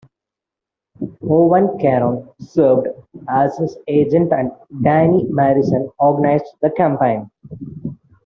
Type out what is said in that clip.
Owen Carron served as his agent and Danny Morrison organised the campaign.